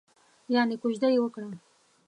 یانې کوژده یې وکړه؟